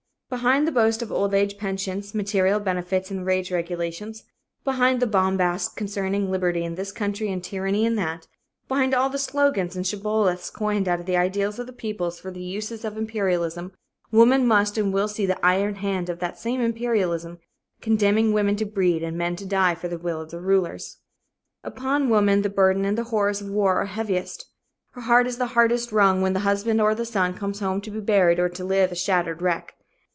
Behind the boast of old age pensions, material benefits and wage regulations, behind the bombast concerning liberty in this country and tyranny in that, behind all the slogans and shibboleths coined out of the ideals of the peoples for the uses of imperialism, woman must and will see the iron hand of that same imperialism, condemning women to breed and men to die for the will of the rulers. Upon woman the burden and the horrors of war are heaviest. Her heart is the hardest wrung when the husband or the son comes home to be buried or to live a shattered wreck.